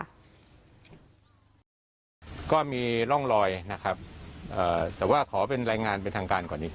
ในการถูกทำร้ายพอจะคาดการณ์ได้ไหมคะ